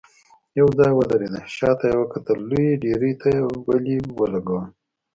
يو ځای ودرېده، شاته يې وکتل، لويې ډبرې ته يې ولي ولګول.